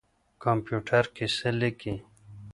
کمپيوټر کيسه ليکي.